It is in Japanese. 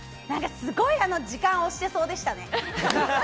なんかすごい時間押してそうでしたね。